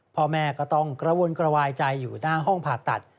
พ่อแม่ก็ต้องกระวนกระวายใจอยู่หน้าห้องผ่าตัด